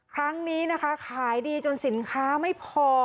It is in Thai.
ครั้งนี้นะคะขายดีจนสินค้าไม่พอ